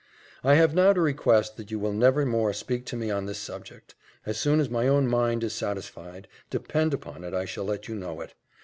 I have now to request that you will never more speak to me on this subject: as soon as my own mind is satisfied, depend upon it I shall let you know it.